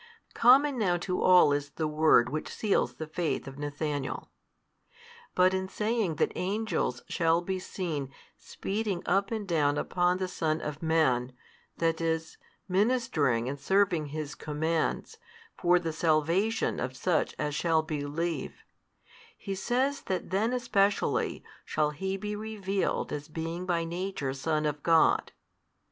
Common now to all is the word which seals the faith of Nathanael. But in saying that angels shall be seen speeding up and down upon the Son of Man, that is, ministering and serving His commands, for the salvation of such as shall believe, He says that then especially shall He be revealed as being by Nature Son of God.